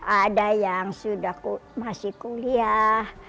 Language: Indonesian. ada yang masih kuliah